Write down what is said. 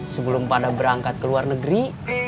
sebelum pada berangkat ke luar negeri